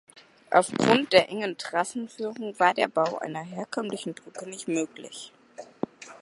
Auf Grund der engen Trassenführung war der Bau einer herkömmlichen Brücke nicht möglich.